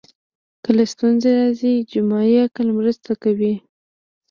کله ستونزې راځي جمعي عقل مرسته کوي